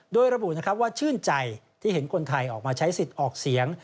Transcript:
โดยระบุนะครับว่าชื่นใจที่เห็นคนไทยออกมาใช้สิทธิ์ออกเสียง